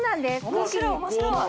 面白い面白い！